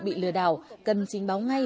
bị lừa đảo cần chính báo ngay